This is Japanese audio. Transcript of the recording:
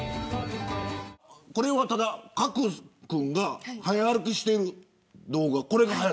これはただ賀来君が早歩きしている動画。